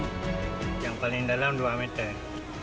yang paling dalam dua meter